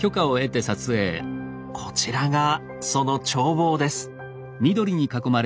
こちらがその眺望です。